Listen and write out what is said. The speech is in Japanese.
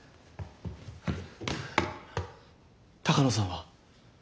鷹野さんは？